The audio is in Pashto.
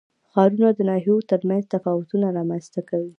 ښارونه د ناحیو ترمنځ تفاوتونه رامنځ ته کوي.